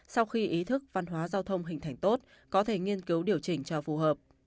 sau khi ý thức văn hóa giao thông hình thành tốt có thể nghiên cứu điều chỉnh cho phù hợp